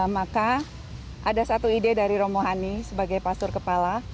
maka ada satu ide dari romohani sebagai pasur kepala